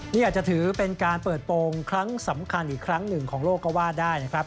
นี่อาจจะถือเป็นการเปิดโปรงครั้งสำคัญอีกครั้งหนึ่งของโลกก็ว่าได้นะครับ